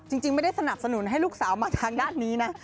จริงไม่ได้สนับสนุนให้ลูกสาวมาทางด้านนี้นะ